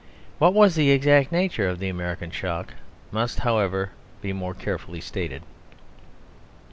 What was the exact nature of the American shock must, however, be more carefully stated.